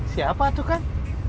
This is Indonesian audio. siapa tuh kan